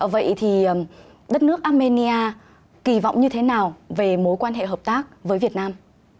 vậy thì đất nước armenia kỳ vọng như thế nào về mối quan hệ hợp tác với việt nam